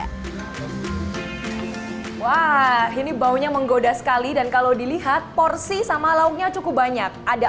hai wah ini baunya menggoda sekali dan kalau dilihat porsi sama lauknya cukup banyak ada